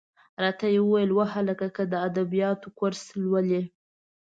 را ته یې وویل: وهلکه! که د ادبیاتو کورس لولې.